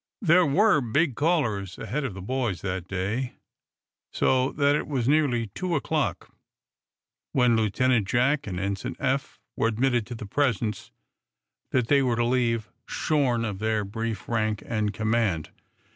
There were "big" callers ahead of the boys that day, so that it was nearly two o'clock when Lieutenant Jack and Ensign Eph were admitted to the presence that they were to leave shorn of their brief rank and command.